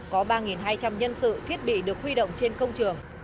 có ba hai trăm linh nhân sự thiết bị được huy động trên công trường